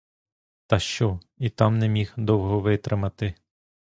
Та що, і там не міг довго витримати.